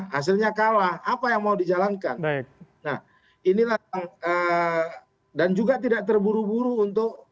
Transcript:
hasilnya kalah apa yang mau dijalankan nah inilah dan juga tidak terburu buru untuk